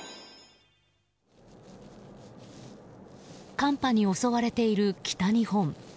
寒波に襲われている北日本。